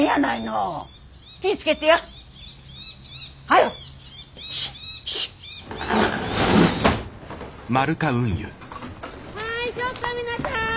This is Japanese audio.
はいちょっと皆さん！